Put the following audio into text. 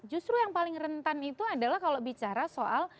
justru yang paling rentan itu adalah kalau bicara soal